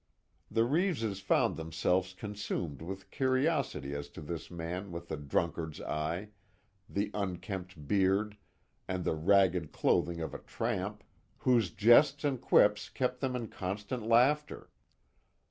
The Reeves' found themselves consumed with curiosity as to this man with the drunkard's eye, the unkempt beard, and the ragged clothing of a tramp, whose jests and quips kept them in constant laughter.